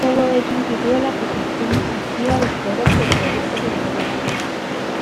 Todo ello impidió la aplicación exhaustiva del fuero por todo el territorio.